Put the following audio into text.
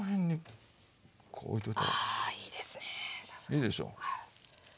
いいでしょ。